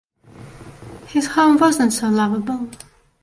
His home was not so lovable.